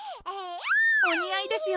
お似合いですよ